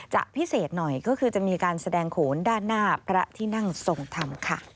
จะพิเศษหน่อยก็คือจะมีการแสดงโขนด้านหน้าพระที่นั่งทรงธรรมค่ะ